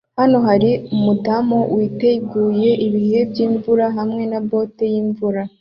Hano hari umudamu witeguye ibihe by'imvura hamwe na bote yimvura